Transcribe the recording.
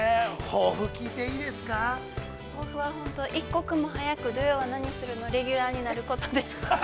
◆抱負は、一刻も早く「土曜はナニする！？」のレギュラーになることです。